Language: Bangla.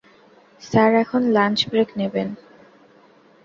স্যার এখন লাঞ্চ ব্রেক নেবেন।